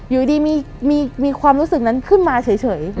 อยู่ดีมีมีความรู้สึกนั้นขึ้นมาเฉยเฉยอืม